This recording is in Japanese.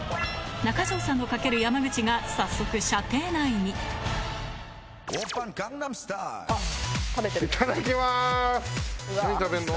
中条さんの賭ける山口が早速射程内に何食べんの？